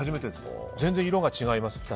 全然、色が違います。